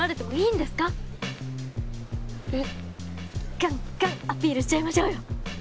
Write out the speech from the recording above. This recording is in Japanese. ガンガンアピールしちゃいましょうよ。